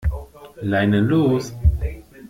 Leinen los!